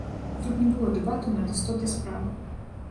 Тут не было дэбатаў над істотай справы.